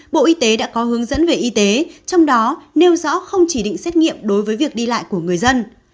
bộ y tế đã có hướng dẫn về y tế trong đó nêu rõ không chỉ định xét nghiệm đối với việc đi lại của người dân